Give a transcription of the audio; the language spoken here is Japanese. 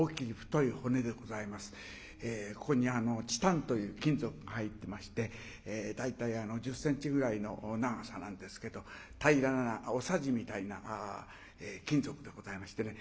ここにチタンという金属が入ってまして大体１０センチぐらいの長さなんですけど平らなおさじみたいな金属でございましてね